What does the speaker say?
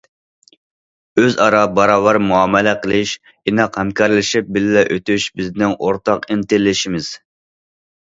ئۆزئارا باراۋەر مۇئامىلە قىلىش، ئىناق ھەمكارلىشىپ بىللە ئۆتۈش بىزنىڭ ئورتاق ئىنتىلىشىمىز.